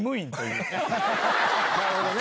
なるほどね。